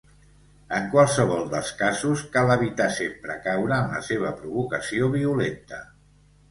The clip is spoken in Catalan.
En qualsevol dels casos, cal evitar sempre caure en la seva provocació violenta.